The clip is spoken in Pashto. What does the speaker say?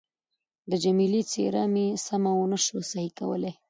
د جميله څېره مې سمه نه شوای صحیح کولای.